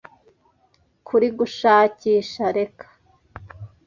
Kuri Gushakisha. Reka